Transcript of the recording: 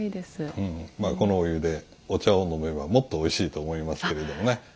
このお湯でお茶を飲めばもっとおいしいと思いますけれどもね。